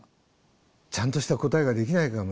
ちゃんとした答えができないかもしれない。